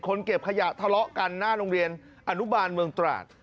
เก็บขยะทะเลาะกันหน้าโรงเรียนอนุบาลเมืองตราด